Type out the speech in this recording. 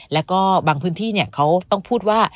แล้วก็บางพื้นที่เขาต้องพูดว่า